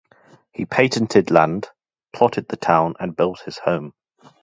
He patented land, plotted the town and built his home.